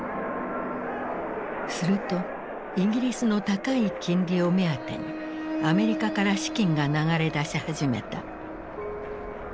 するとイギリスの高い金利を目当てにアメリカから資金が流れ出し始めた。